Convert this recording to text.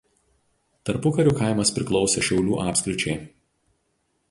Tarpukariu kaimas priklausė Šiaulių apskričiai.